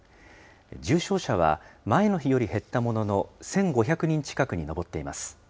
重症者は前の日より減ったものの、１５００人近くに上っています。